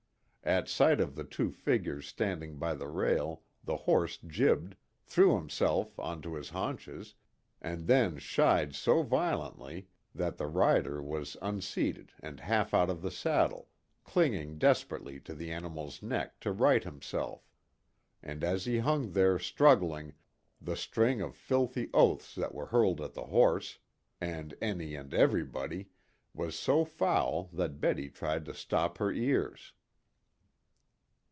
At sight of the two figures standing by the rail the horse jibbed, threw himself on to his haunches, and then shied so violently that the rider was unseated and half out of the saddle, clinging desperately to the animal's neck to right himself. And as he hung there struggling, the string of filthy oaths that were hurled at the horse, and any and everybody, was so foul that Betty tried to stop her ears.